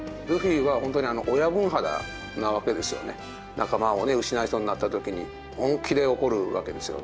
仲間を失いそうになった時に本気で怒るわけですよね。